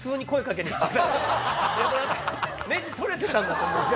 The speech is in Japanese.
ネジ取れてたんだと思うんです。